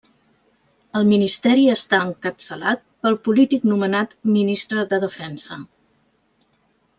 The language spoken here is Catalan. El ministeri està encapçalat pel polític nomenat Ministre de Defensa.